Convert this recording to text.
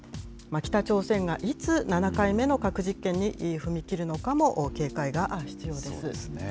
北朝鮮がいつ、７回目の核実験に踏み切るのかも警戒が必要です。